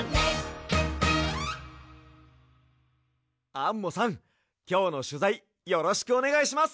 アンモさんきょうのしゅざいよろしくおねがいします。